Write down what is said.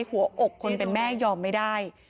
หัวอกคนเป็นแม่ยอมไม่ได้